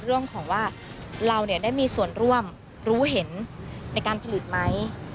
เรื่องของว่าเราได้มีส่วนร่วมรู้เห็นในการผลิตไหม